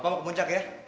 pak pa mau ke muncak ya